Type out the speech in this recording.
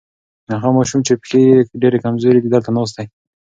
هغه ماشوم چې پښې یې ډېرې کمزورې دي دلته ناست دی.